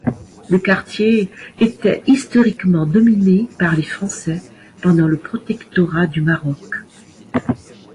Le quartier était historiquement dominé par les Français pendant le protectorat du Maroc.